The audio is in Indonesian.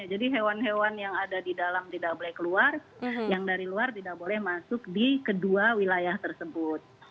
jadi hewan hewan yang ada di dalam tidak boleh keluar yang dari luar tidak boleh masuk di kedua wilayah tersebut